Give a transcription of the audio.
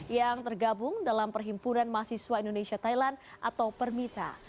yang tergabung dalam perhimpunan mahasiswa indonesia thailand atau permita